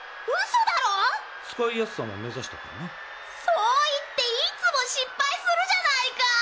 そういっていつもしっぱいするじゃないか！